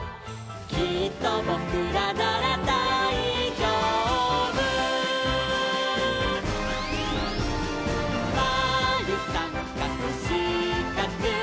「きっとぼくらならだいじょうぶ」「まるさんかくしかく」